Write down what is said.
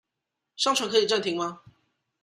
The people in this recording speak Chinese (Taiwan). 上傳可以暫停嗎？